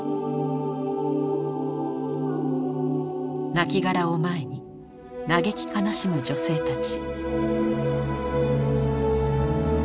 なきがらを前に嘆き悲しむ女性たち。